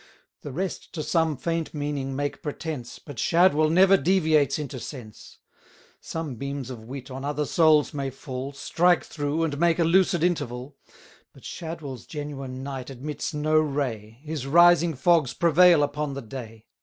The rest to some faint meaning make pretence, But Shadwell never deviates into sense. 20 Some beams of wit on other souls may fall, Strike through, and make a lucid interval; But Shadwell's genuine night admits no ray, His rising fogs prevail upon the day.